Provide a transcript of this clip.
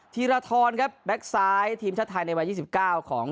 ธีรทรครับแบ็คซ้ายทีมชาติไทยในวัย๒๙ของ